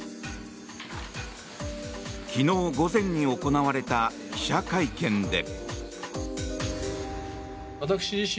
昨日午前に行われた記者会見で。